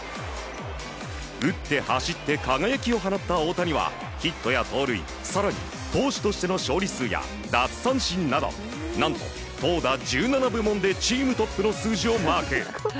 打って走って輝きを放った大谷はヒットや盗塁更に投手としての勝利数や奪三振など何と、投打１７部門でチームトップの数字をマーク。